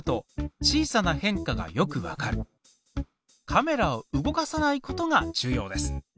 カメラを動かさないことが重要です。